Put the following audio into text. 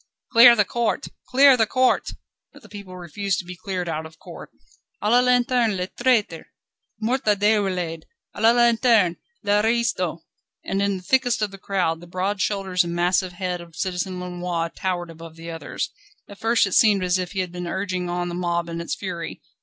"Clear the court! Clear the court!" But the people refused to be cleared out of court. "A la lanterne les traîtres! Mort à Déroulède. A la lanterne! l'aristo!" And in the thickest of the crowd, the broad shoulders and massive head of Citizen Lenoir towered above the others. At first it seemed as if he had been urging on the mob in its fury.